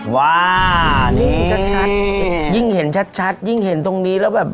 ว่านี่ชัดยิ่งเห็นชัดยิ่งเห็นตรงนี้แล้วแบบ